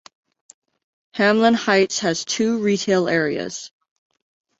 Hamlyn Heights has two retail areas.